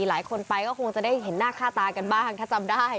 หลายคนไปก็คงจะได้เห็นหน้าค่าตากันบ้างถ้าจำได้